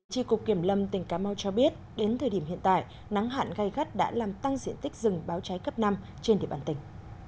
tri cục kiểm lâm tỉnh cà mau cho biết đến thời điểm hiện tại nắng hạn gây gắt đã làm tăng diện tích rừng báo cháy cấp năm trên địa bàn tỉnh